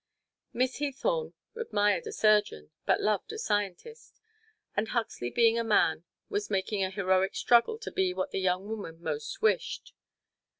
Miss Heathorn admired a surgeon, but loved a scientist, and Huxley being a man was making a heroic struggle to be what the young woman most wished.